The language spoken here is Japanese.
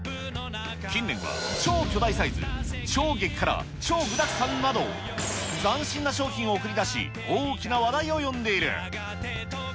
近年は超巨大サイズ、超激辛、超具だくさんなど、斬新な商品を送り出し、大きな話題を呼んでいる。